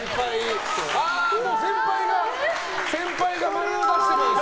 先輩が○を出してます！